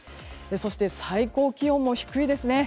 そして、最高気温も低いですね。